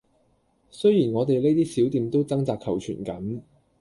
雖然我哋呢啲小店都掙扎求存緊